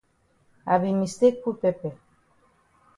I be mistake put pepper.